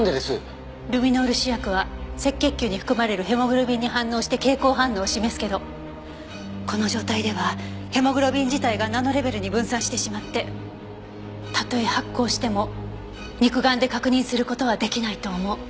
ルミノール試薬は赤血球に含まれるヘモグロビンに反応して蛍光反応を示すけどこの状態ではヘモグロビン自体がナノレベルに分散してしまってたとえ発光しても肉眼で確認する事は出来ないと思う。